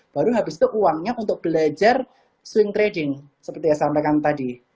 baru habis itu uangnya untuk belajar swing trading seperti yang saya sampaikan tadi